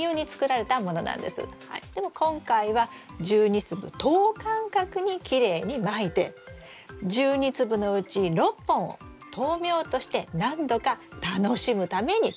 でも今回は１２粒等間隔にきれいにまいて１２粒のうち６本を豆苗として何度か楽しむために食べる。